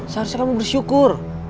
seharusnya kamu bersyukur